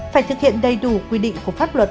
phải thực hiện đầy đủ quy định của pháp luật